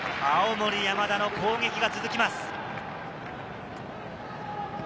青森山田の攻撃が続きます。